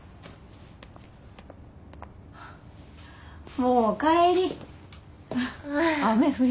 もう帰り。